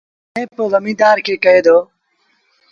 ائيٚݩ پو زميݩدآر کي ڪهي دو